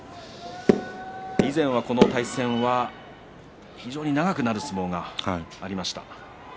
以前は、この対戦は長くなる相撲がありました。